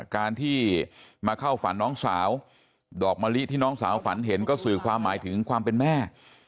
การที่มาเข้าฝันน้องสาวดอกมะลิที่น้องสาวฝันเห็นก็สื่อความหมายถึงความเป็นแม่